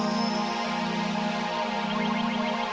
hala mengimpi doang aja kan bukan kena akut